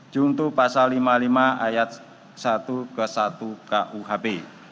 juntuh pasal lima puluh lima ayat satu ke satu kuhp